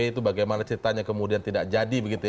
itu bagaimana ceritanya kemudian tidak jadi